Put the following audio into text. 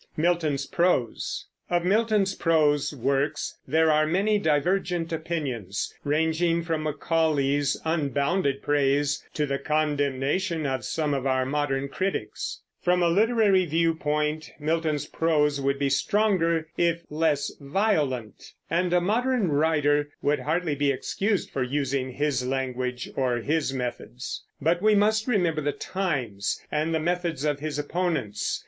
MILTON'S PROSE. Of Milton's prose works there are many divergent opinions, ranging from Macaulay's unbounded praise to the condemnation of some of our modern critics. From a literary view point Milton's prose would be stronger if less violent, and a modern writer would hardly be excused for using his language or his methods; but we must remember the times and the methods of his opponents.